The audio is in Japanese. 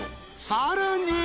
［さらに］